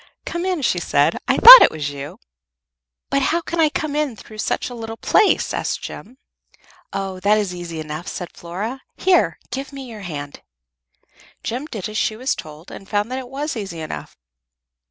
"Come in," she said. "I thought it was you." "But how can I come in through such a little place?" asked Jem. "Oh, that is easy enough," said Flora. "Here, give me your hand." Jem did as she told her, and found that it was easy enough.